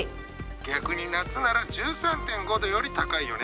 逆に夏なら１３．５度より高いよね。